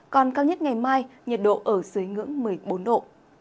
còn cao nhất ngày mai nhiệt độ ở dưới ngưỡng một mươi bốn độ